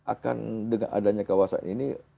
akan dengan adanya kawasan ini